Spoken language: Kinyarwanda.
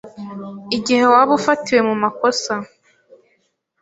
igihe waba ufatiwe mu makosa.